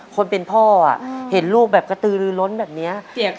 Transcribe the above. คนเป็นพ่อเป็นต่อเห็นลูกแบบกระตือรื้อล้นแบบเนี้ย